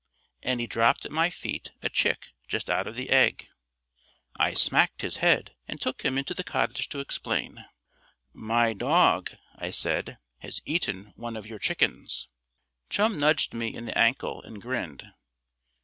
and he dropped at my feet a chick just out of the egg. I smacked his head and took him into the cottage to explain. "My dog," I said, "has eaten one of your chickens." Chum nudged me in the ankle and grinned.